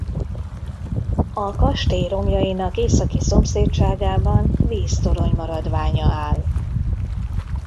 A kastély romjainak északi szomszédságában víztorony maradványa áll.